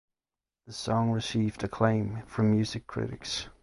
The song received acclaim from music critics.